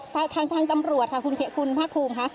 ทางทางตำรวจค่ะคุณเขะคุณพระคุมค่ะ